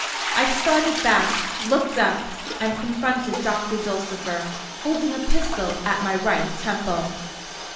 I started back looked up and confronted Doctor Dulcifer, holding a pistol at my right temple.